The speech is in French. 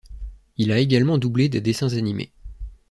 Il a également doublé des dessins animés.